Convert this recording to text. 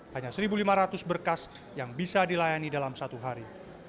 hanya satu lima ratus berkas yang bisa dilayani dalam satu hari